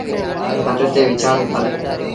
کٽ تي وڇآݩ ڪرو۔